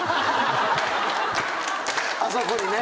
あそこにね。